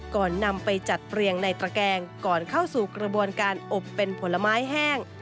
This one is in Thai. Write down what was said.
ก่อนนำไปจัดเรียงในตระแกงก่อนเข้าสู่กระบวนการอบเป็นผลไม้แห้ง